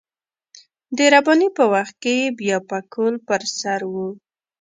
د رباني په وخت کې يې بيا پکول پر سر و.